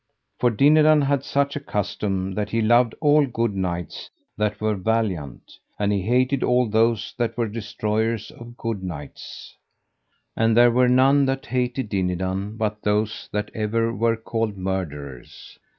For Dinadan had such a custom that he loved all good knights that were valiant, and he hated all those that were destroyers of good knights. And there were none that hated Dinadan but those that ever were called murderers.